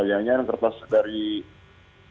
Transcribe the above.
yang kertas dari apa